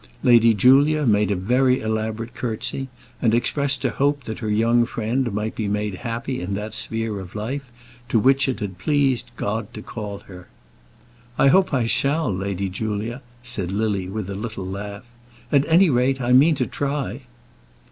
Lady Julia made a very elaborate curtsey, and expressed a hope that her young friend might be made happy in that sphere of life to which it had pleased God to call her. "I hope I shall, Lady Julia," said Lily, with a little laugh; "at any rate I mean to try."